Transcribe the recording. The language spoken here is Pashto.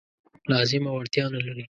لازمه وړتیا نه لري.